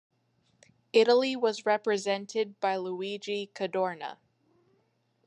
Italy was represented by Luigi Cadorna.